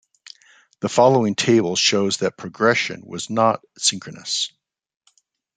The following table shows that progression was not synchronous.